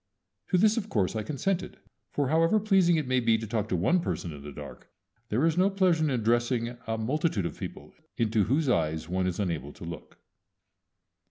To this of course I consented; for, however pleasing it may be to talk to one person in the dark, there is no pleasure in addressing a multitude of people into whose eyes one is unable to look.